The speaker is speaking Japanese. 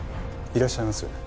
いらっしゃいますよね？